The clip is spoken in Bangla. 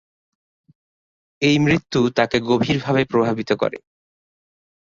এই মৃত্যু তাকে গভীরভাবে প্রভাবিত করে।